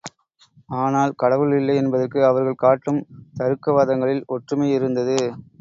ஆனால் கடவுள் இல்லை என்பதற்கு அவர்கள் காட்டும் தருக்கவாதங்களில் ஒற்றுமை இருந்தது.